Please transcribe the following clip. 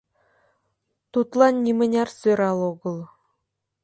Тудлан нимыняр сӧрал огыл.